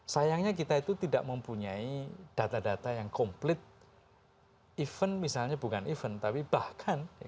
sayangnya kita itu tidak mempunyai data data yang komplit event misalnya bukan event tapi bahkan